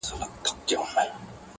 کډه ستا له کلي بارومه نور ,